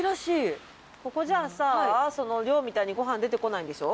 ここじゃあさぁ寮みたいにごはん出て来ないんでしょ？